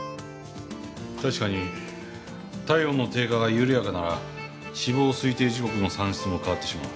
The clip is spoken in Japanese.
確かに体温の低下が緩やかなら死亡推定時刻の算出も変わってしまう。